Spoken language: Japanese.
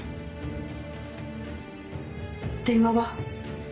電話は？